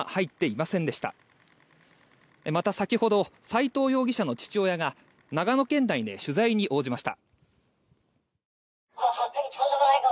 また、先ほど斎藤容疑者の父親が長野県内で取材に応じました。